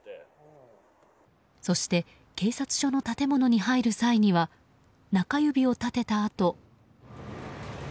そして警察署の建物に入る際には中指を立てたあと。